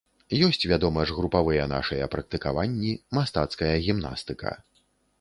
Ёсць, вядома ж, групавыя нашыя практыкаванні, мастацкая гімнастыка.